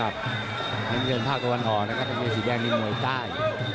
น้ำเงินภาคอวันอ่อสีแบงนิ่งมวยใต้